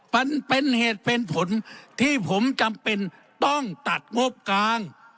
มันเป็นเหตุเป็นผลที่ผมจำเป็นต้องตัดงบกลาง